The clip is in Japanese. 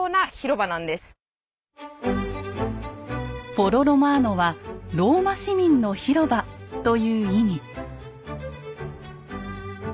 フォロ・ロマーノは「ローマ市民の広場」という意味。